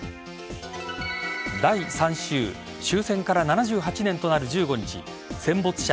第３週終戦から７８年となる１５日戦没者